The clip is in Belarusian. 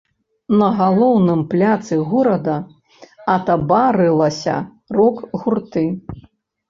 На галоўным пляцы горада атабарылася рок-гурты.